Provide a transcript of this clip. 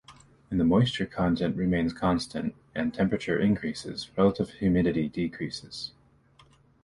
When the moisture content remains constant and temperature increases, relative humidity decreases.